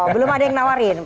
belum ada yang nawarin